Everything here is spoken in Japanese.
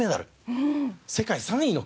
世界３位の国です。